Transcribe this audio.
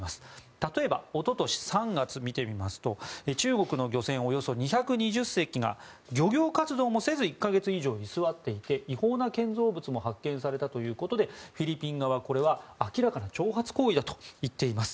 例えば、おととし３月見てみますと中国の漁船およそ２２０隻が漁業活動もせず１か月以上居座っていて違法な建造物も発見されたということでフィリピン側はこれは明らかな挑発行為だと言っています。